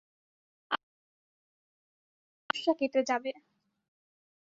আপনার কোলে আরেকটা শিশু এলে সমস্যা কেটে যাবে।